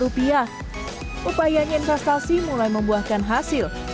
upayanya investasi mulai membuahkan hasil